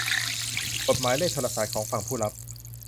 กดหมายเลขโทรสารของฝั่งผู้รับ